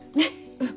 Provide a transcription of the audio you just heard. うん。